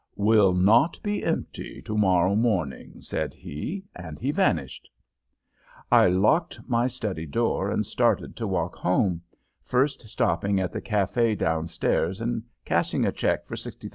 "Will not be empty to morrow morning," said he, and he vanished. I locked my study door and started to walk home, first stopping at the café down stairs and cashing a check for $60,000.